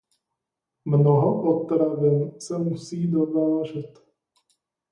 Mnoho potravin se musí dovážet.